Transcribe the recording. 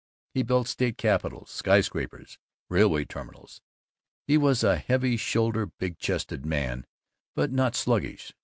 He built state capitols, skyscrapers, railway terminals. He was a heavy shouldered, big chested man, but not sluggish.